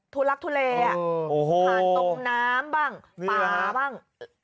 ทุลักทุเลผ่านตรงน้ำบ้างป่าบ้าง